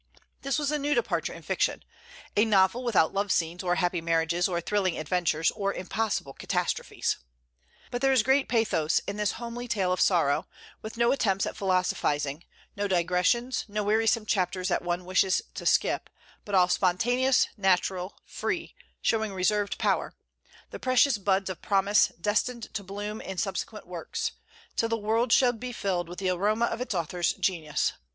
This was a new departure in fiction, a novel without love scenes or happy marriages or thrilling adventures or impossible catastrophes. But there is great pathos in this homely tale of sorrow; with no attempts at philosophizing, no digressions, no wearisome chapters that one wishes to skip, but all spontaneous, natural, free, showing reserved power, the precious buds of promise destined to bloom in subsequent works, till the world should be filled with the aroma of its author's genius.